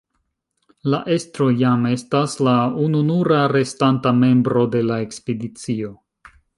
La estro jam estas la ununura restanta membro de la ekspedicio.